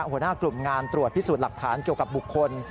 หัวหน้ากลุ่มงานตรวจพิสูจน์หลักฐานเกี่ยวกับบุคคล